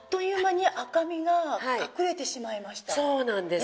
そうなんです。